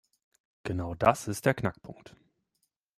Genau das ist der Knackpunkt.